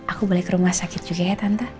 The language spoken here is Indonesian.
aku boleh ke rumah sakit juga ya tante